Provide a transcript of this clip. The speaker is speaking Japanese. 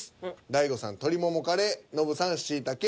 大悟さん「鶏ももカレー」ノブさん「しいたけ」